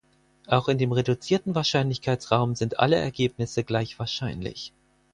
Auch in dem reduzierten Wahrscheinlichkeitsraum sind alle Ergebnisse gleich wahrscheinlich.